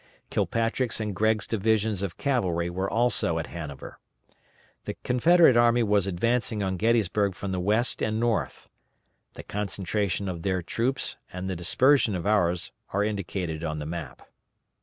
Kilpatrick's and Gregg's divisions of cavalry were also at Hanover. The Confederate army was advancing on Gettysburg from the west and north. The concentration of their troops and the dispersion of ours are indicated on the map.